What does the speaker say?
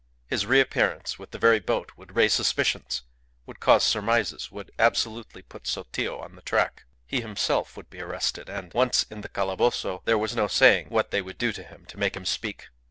His re appearance with the very boat would raise suspicions, would cause surmises, would absolutely put Sotillo on the track. He himself would be arrested; and once in the Calabozo there was no saying what they would do to him to make him speak.